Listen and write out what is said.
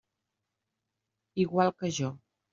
Igual que jo.